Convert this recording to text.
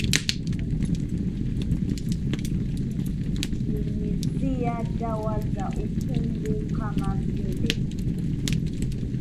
Nyunyizia dawa za ukungu kama vile